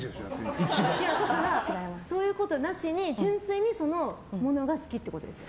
そういうことなしに純粋にそのものが好きってことです。